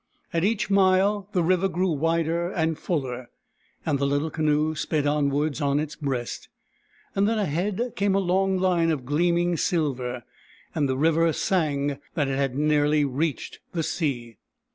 At each mile the river grew wider and fuller, and the little canoe sped onwards on its breast. Then ahead came a long line of gleaming silver, and the river sang that it had nearly reached the sea.